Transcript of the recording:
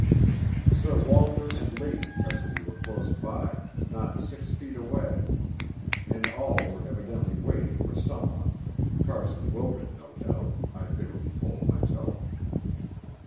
Sir Walter and Lady Tressidy were close by not six feet away and all were evidently waiting for someone Carson Wildred, no doubt, I bitterly told myself.